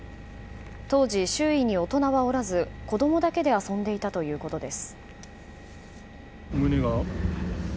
当時、周囲に大人はおらず子供だけで遊んでいたということです。